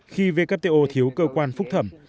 khi wto thiếu cơ quan phúc thẩm